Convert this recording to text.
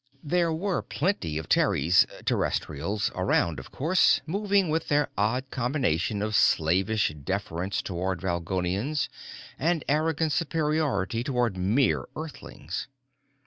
There were plenty of Terries Terrestrials around, of course, moving with their odd combination of slavish deference toward Valgolians and arrogant superiority toward mere Earthlings.